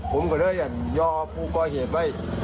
ผมก็เลยย่อผู้ก้อยเห็นไป